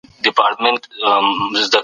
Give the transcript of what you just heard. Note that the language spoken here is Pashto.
د کورنۍ نور غړي هم باید معاینه شي.